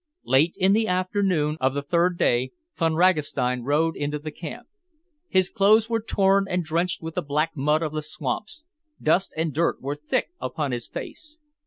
Late in the afternoon of the third day, Von Ragastein rode into the camp. His clothes were torn and drenched with the black mud of the swamps, dust and dirt were thick upon his face.